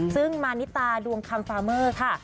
ซึ่งมานิตาดวงคำฟาเมอร์ค่ะ